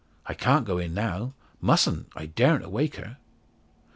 I can't go in now. Mustn't I daren't awake her."